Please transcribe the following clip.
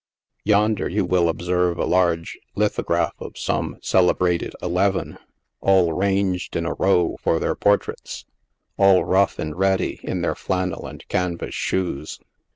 Yonder you will observe a large lithograph of some cele brated " eleven," all ranged in a row for their portraits, all rough and ready in their flannel and canvas shoes.